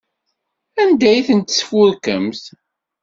Anda ay tent-tesfurkemt?